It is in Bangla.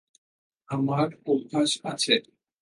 আমার অভ্যাস আছে।